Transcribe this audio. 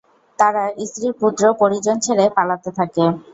তারা স্ত্রী, পুত্র, পরিজন ছেড়ে পালাতে থাকে।